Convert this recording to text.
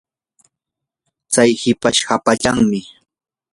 tsay hipash hapallanmi.